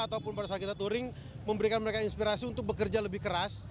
ataupun pada saat kita touring memberikan mereka inspirasi untuk bekerja lebih keras